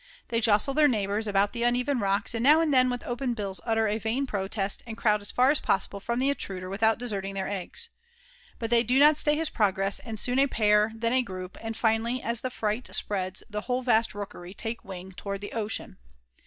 They jostle their neighbors about the uneven rocks and now and then with open bills utter a vain protest and crowd as far as possible from the intruder without deserting their eggs. But they do not stay his progress and soon a pair, then a group, and finally, as the fright spreads, the whole vast rookery take wing toward the ocean.